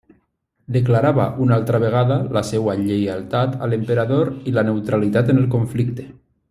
Declarava una altra vegada la seva lleialtat a l'Emperador i la neutralitat en el conflicte.